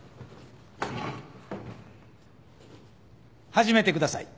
始めてください。